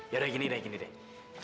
yaudah gini deh gini deh